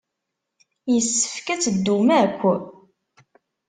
Yessefk ad teddum akk.